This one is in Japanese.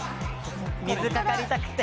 水かかりたくて。